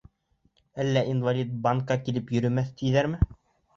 Әллә инвалид банкка килеп йөрөмәҫ, тиҙәрме?